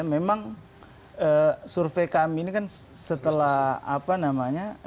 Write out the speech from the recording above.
memang survei kami ini kan setelah apa namanya